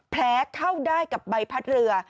เข้าได้กับใบพัดเรือ